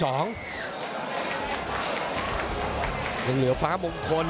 รอคะแนนจากอาจารย์สมาร์ทจันทร์คล้อยสักครู่หนึ่งนะครับ